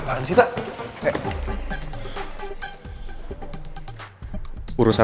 kalau sampe citra atau putri dapet masalah